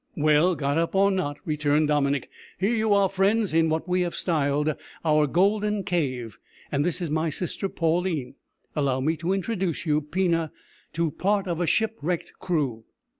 "Well, got up or not," returned Dominick, "here you are, friends, in what we have styled our golden cave, and this is my sister Pauline allow me to introduce you, Pina, to part of a shipwrecked crew."